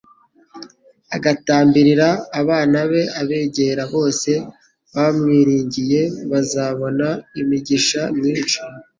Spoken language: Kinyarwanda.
agatambirira abana be. Abegera bose bamwiringiye bazabona imigisha myinshi.